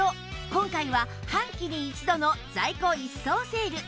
今回は半期に一度の在庫一掃セール